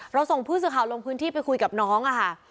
ส่งผู้สื่อข่าวลงพื้นที่ไปคุยกับน้องค่ะ